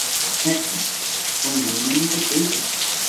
Héẽ, oiméne niko péicha